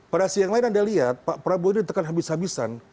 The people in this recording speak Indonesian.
pada sisi yang lain anda lihat pak prabowo ditekan habis habisan